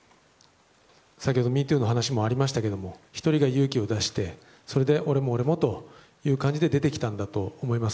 先ほど「＃ＭｅＴｏｏ」の話もありましたが１人が勇気を出してそれで俺も俺もと出てきたんだと思います。